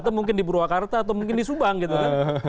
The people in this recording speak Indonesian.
atau mungkin di purwakarta atau mungkin di subang gitu kan